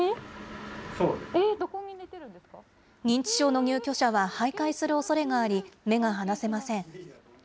認知症の入居者ははいかいするおそれがあり、目が離せません。